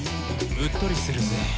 「うっとりするぜ」